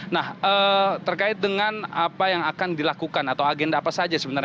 nah terkait dengan apa yang akan dilakukan atau agenda apa saja sebenarnya